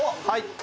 はい。